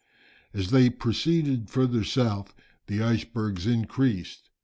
] As they proceeded further south the icebergs increased.